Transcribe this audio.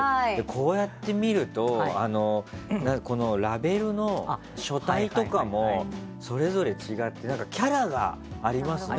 こうやって見るとラベルの書体とかもそれぞれ違ってキャラがありますよね